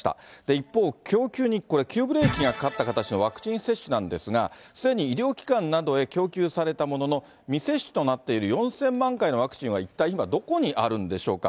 一方、供給に急ブレーキがかかった形のワクチン接種なんですが、すでに医療機関などへ供給されたものの、未接種となっている４０００万回のワクチンは一体今どこにあるんでしょうか。